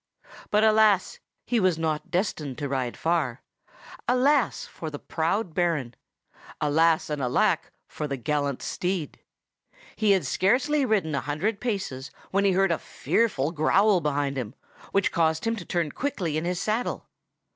But, alas! he was not destined to ride far. Alas for the proud Baron! Alas and alack for the gallant steed! He had scarcely ridden a hundred paces when he heard a fearful growl behind him, which caused him to turn quickly in his saddle.